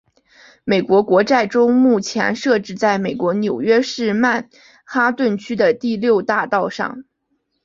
美国国债钟目前设置在美国纽约市曼哈顿区的第六大道上。